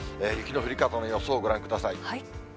雪の降り方の予想、ご覧ください。